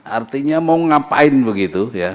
artinya mau ngapain begitu ya